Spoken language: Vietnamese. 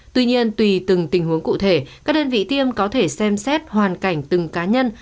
tuy nhiên tùy từng tình huống cụ thể các đơn vị tiêm có thể xem xét hoàn cảnh từng cá nhân